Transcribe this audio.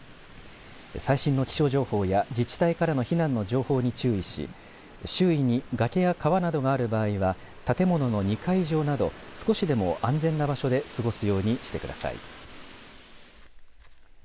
最新の気象情報や自治体からの避難の情報に注意し周囲に崖や川などがある場合は建物の２階以上など少しでも安全な場所で過ごすようにしてください。